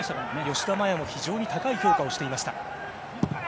吉田麻也も非常に高い評価をしていました。